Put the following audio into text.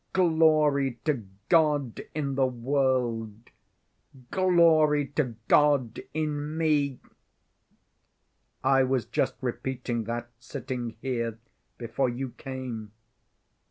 Glory to God in the world, Glory to God in me ... I was just repeating that, sitting here, before you came."